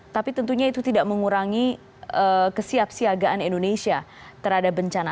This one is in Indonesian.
tapi tentunya itu tidak mengurangi kesiapsiagaan indonesia terhadap bencana